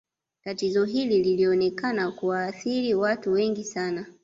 tatizo hili lilionekana kuwaathiri watu wengi sana